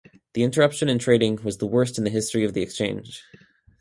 The interruption in trading was the worst in the history of the exchange.